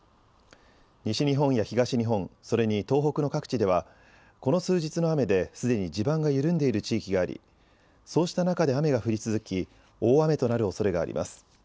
西日本や東日本それに東北の各地ではこの数日の雨ですでに地盤が緩んでいる地域がありそうした中で雨が降り続き大雨となるおそれがあります。